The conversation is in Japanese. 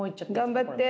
頑張って。